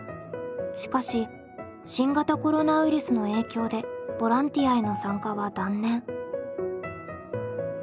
しかし新型コロナウイルスの影響でボランティアへの参加は断念。